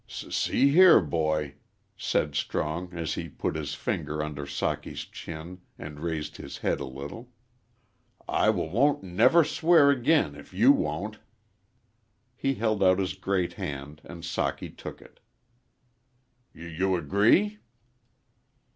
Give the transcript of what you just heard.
"S see here, boy," said Strong, as he put his fingers under Socky's chin and raised his head' a little, "I w won't never swear ag'in if y you won't." He held out his great hand and Socky took it. "Y you agree?"